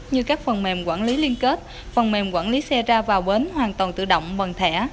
như các phần mềm quản lý liên kết phần mềm quản lý xe ra vào bến hoàn toàn tự động bằng thẻ